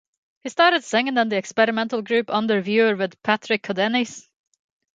He started singing in the experimental group "Under Viewer" with Patrick Codenys.